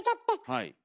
はい。